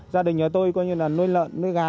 gia đình nhà tôi coi như là nuôi lợn nuôi gà